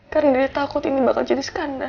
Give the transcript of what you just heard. karena dia takut ini bakal jadi skandal